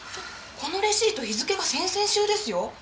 このレシート日付が先々週ですよ。